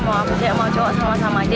mau apa aja mau cowok sama sama aja